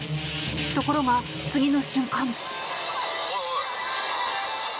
ところが次の瞬間。